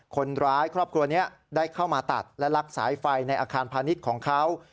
คนร้ายครอบครัวนี้ได้เข้ามาตัดและลักสายไฟในอาคารพาณิชย์ของเขา